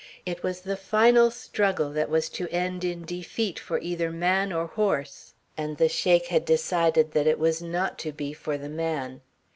It was the final struggle that was to end in defeat for either man or horse, and the Sheik had decided that it was not to be for the man.